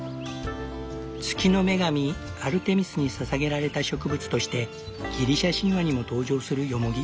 月の女神アルテミスにささげられた植物としてギリシャ神話にも登場するヨモギ。